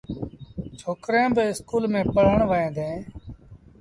ڇوڪريݩ با اسڪول ميݩ پڙوهيݩ ديٚݩ ۔